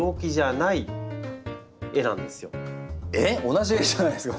同じ絵じゃないんですか？